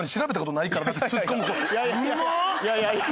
いやいやいや。